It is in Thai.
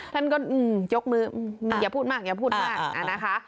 ท่านก็ยกมืออย่าพูดมากอย่าพูดมากนะคะ